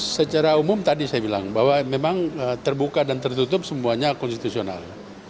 secara umum tadi saya bilang bahwa memang terbuka dan tertutup semuanya konstitusional